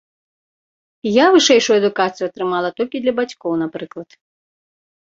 Я вышэйшую адукацыю атрымала толькі для бацькоў, напрыклад.